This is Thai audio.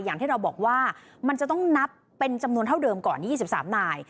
อย่างที่เราบอกว่ามันจะต้องนับเป็นจำนวนเท่าเดิมก่อน๒๓นาย